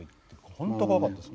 本当怖かったです。